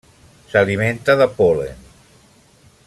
S'alimenta de pol·len.